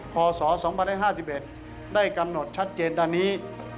พศ๒๐๕๑ได้กำหนดชัดเจนตอนนี้